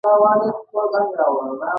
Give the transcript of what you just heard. خدايکه دې پاکه کړه.